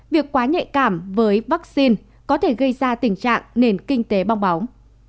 việc quá nhạy cảm với vaccine có thể gây ra tình trạng nền kinh tế bong bóng